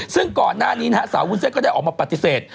ซึ่งก่อนหน้านี้นะฮะสาววุ้นเส้นก็ได้ออกมาปฏิเสธ